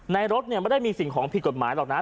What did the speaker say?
รถไม่ได้มีสิ่งของผิดกฎหมายหรอกนะ